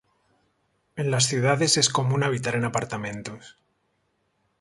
En las ciudades es común habitar en apartamentos.